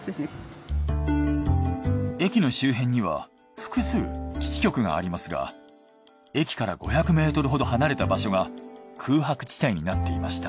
駅の周辺には複数基地局がありますが駅から５００ｍほど離れた場所が空白地帯になっていました。